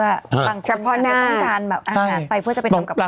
บางคนจะต้องการอาหารไปเพื่อจะไปทำกับข้าว